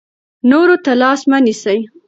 نورو ته لاس مه نیسئ.